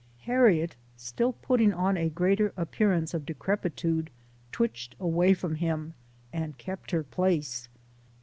Harriet, still putting on a greater appearance of decrepitude, twitched away from him, and kept her place.